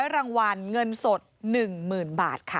รางวัลเงินสด๑๐๐๐บาทค่ะ